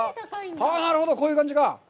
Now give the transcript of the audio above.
ああ、なるほど、こういう感じか！